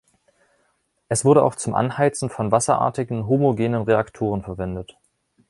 Es wurde auch zum Anheizen von wasserartigen homogenen Reaktoren verwendet.